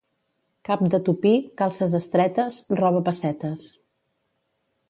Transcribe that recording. Cap de tupí, calces estretes, roba pessetes.